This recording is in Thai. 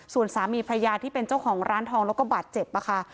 ส่วนสามีพระยาที่เป็นเจ้าของร้านทองแล้วก็บาดเจ็บค่ะ